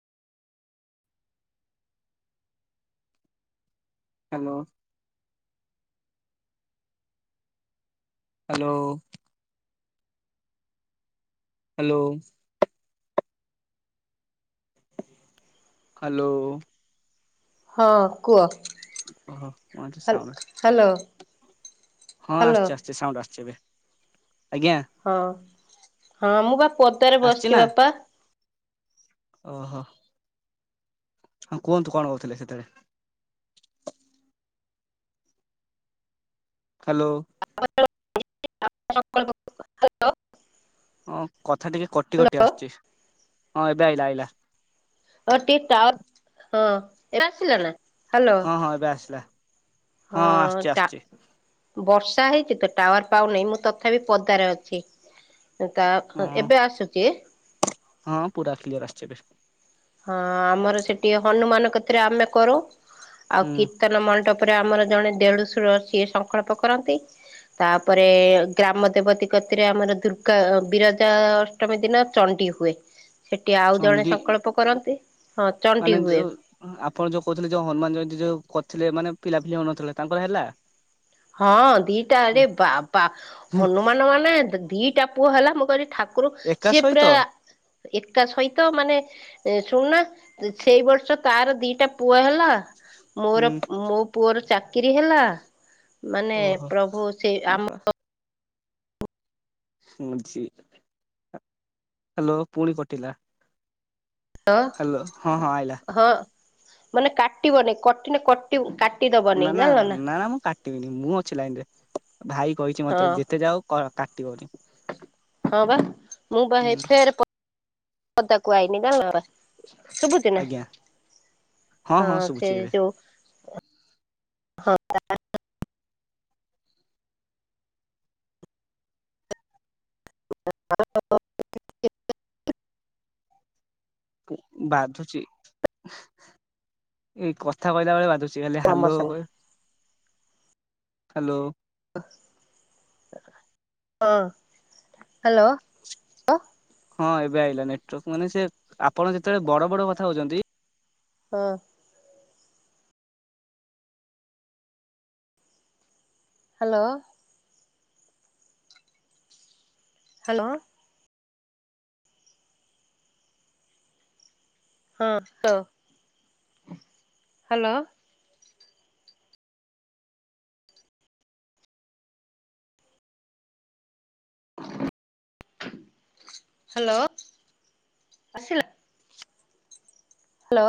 Hello. Hello. Hello. Hello. ହଁ କୁହ। ଓହୋ ମୁଁ କହୁଚି ହାଲ ସାଉଣ୍ଡ ହାଲୋ ଆ ହଁ ହାଲୋ ଆସୂଛି ଆସୂଛି ସାଉଣ୍ଡ ଆସୂଛି ଏବେ ଆଜ୍ଞା। ହଁ ହଁ ମୁଁ ପା ପଦାରେ ଆସିଛି ନା ବସିଛି ବାପା। ଓହୋ କୁହନ୍ତୁ କଣ କହୁଥିଲେ ସେତେବେଳେ? ହ୍ୟାଲୋ। [unintelligible] ହେଲୋ। ହଁ କଥା ଟିକେ କଟି କଟି ଆଶୁଛି ହଁ ଏବେ ଆଇଲା ଆଇଲା। ଆମର ଟିକେ ଟାୱାର ହଁ ଏବେ ଆସିଲା ନା? ହାଲୋ ହଁ ହଁ ଏବେ ଆସିଲା। ହଁ ଆସୁଛି ଟା ଆସୁଛି ବର୍ଷା ହେଇଛି ତ ଟାୱାର ପାଉନାହିଁ ମୁଁ ତଥାପି ପଦାରେ ଅଛି। ତା ଖ ହଁ ଏବେ ଆସୁଛି? ହଁ ପୁରା କ୍ଲିୟର ଆଶୁଛି ଏବେ। ହଁ ଆମର ସେଠି ହନୁମାନ କତିରେ ଆମେ କରୁ ଆଉ ହୁଁ କୀର୍ତ୍ତନ ମଣ୍ଡପ ତାପରେ ଆମର ଜଣେ ଦେଢଶୁର ସିଏ ସଂକଳ୍ପ କରନ୍ତି ତାପରେ ଗ୍ରାମ ଦେବତୀ କତିରେ ଆମର ଦୁର୍ଗା ବିରଜା ଅଷ୍ଟମୀ ଦିନ ଚଣ୍ଡି ହୁଏ ସେଠି ଆଉ ଜଣେ ଚଣ୍ଡି ସଂକଳ୍ପ କରନ୍ତି ହଁ ଚଣ୍ଡି ମାନେ ହୁଏ। ଯୋଉ ଆପଣ ଯୋଉ କହୁଥିଲେ ଯୋଉ ହନୁମାନ ଜୟନ୍ତୀ ଯୋଉ କରିଥିଲେ ମାନେ ପିଲା ଫିଲି ହୋଉନଥିଲା ତାଙ୍କର ହେଲା? ହଁ ଦିଟାରେ ବା ବା ହନୁମାନ ମାନେ ଦି ଦିଟା ପୁଅ ହେଲା ମୁଁ କହିଲି ଠାକୁ କୁର ଏକା ସେ ସହିତ ପୁରା ଏକା ସହିତ ମାନେ ଶୁଣୁନା ସେଇ ବର୍ଷ ତାର ଦିଟା ପୁଅ ହେଲା ହୁଁ ମୋର ମୋ ପୁଅର ଚାକିରି ହେଲା ମାନେ ଓହୋ ପ୍ରଭୁ ସେ ଆମ ମୁଁ ଜି ହାଲୋ ପୁଣି କଟିଲା। ହାଲୋ ହଁ ହଁ ଆଇଲା। ହଁ ମାନେ କାଟିବନି କଟିନେ କଟି କାଟିଦବନି ଜାଣିଲ ନା। ଟିବିନି ମୁଁ ଅଛି ଲାଇନରେ ଭାଇ କହିଛି ମତେ ହଁ ଯେତେ ଯାହା ହଉ କ କାଟିବନି। ହଁ ବା ମୁଁ ବା ହୁଁ ଏଥି ଫେରେ ପଦାକୁ ଆଇଲି ଜାଣିଲନା। ଶୁଭୁଛି ନା ଆଜ୍ଞା ହଁ ସେ ଯୋଉ ହଁ ତା [unintelligible] ବାଧୁଛି ଏଇ କଥା କହିଲା ବେଳେ ବାଧୁଛି। ସେ ଖାଲି ହାଲୋ ପ୍ରମୋସନ କହେ ହାଲୋ। ହଁ ହାଲୋ। ହଁ ଏବେ ଆଇଲା ନେଟୱାର୍କ ମାନେ ସେ ଆପଣ ଯେତେବେଳେ ବଡ ବଡ କଥା କହୁଛନ୍ତି ହଁ। ହାଲୋ। ହାଲୋ। ହଁ ହାଲୋ ହାଲୋ। ହାଲୋ ଆସିଲ